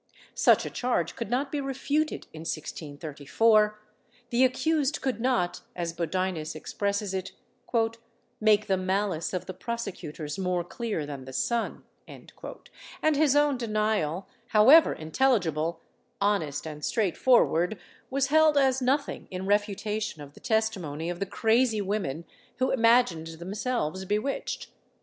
Such a charge could not be refuted in 1634: the accused could not, as Bodinus expresses it, "make the malice of the prosecutors more clear than the sun;" and his own denial, however intelligible, honest, and straightforward, was held as nothing in refutation of the testimony of the crazy women who imagined themselves bewitched.